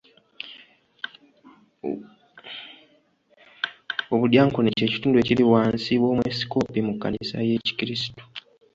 Obudyankoni kye kitundu ekiri wansi w'omwepisikoopi mu kkanisa y'ekikiristu.